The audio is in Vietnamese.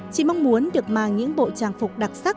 chị mong muốn được mang những bộ trang phục đặc sắc